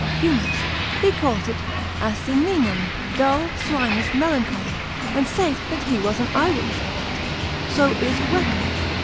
of Humours; he calls it asininam, dull, swinish melancholy, and saith that he was an eyewitness of it: so is Wecker.